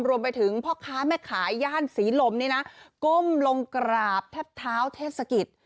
รวมไปถึงพ่อค้าแม่ขายย่านศรีลมนี่นะก้มลงกราบแทบเท้าเทศกิจ